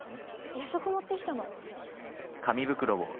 夜食持ってきたの。